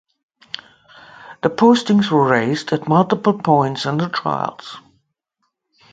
The postings were raised at multiple points in the trial.